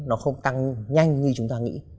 nó không tăng nhanh như chúng ta nghĩ